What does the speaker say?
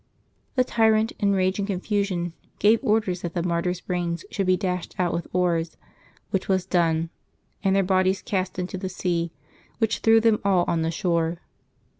The tyrant, in rage and confusion, gave orders that the martyrs' brains should be dashed out with oars, which was done, and their bodies cast into the sea, which threw them all on the shore.